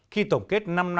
khi tổng kết năm năm